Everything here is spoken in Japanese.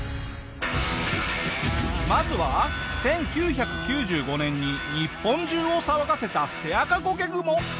まずは１９９５年に日本中を騒がせたセアカゴケグモ。